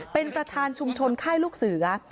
เป็นประธานชุมชนค่ายลูกเสือ